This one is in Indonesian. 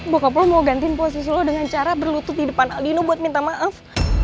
bokap lo mau gantiin posisi lo dengan cara berlutut di depan aldino buat minta maaf